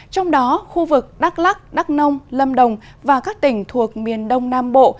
trong đó khu vực đắk lắc đắk nông lâm đồng và các tỉnh thuộc miền đông nam bộ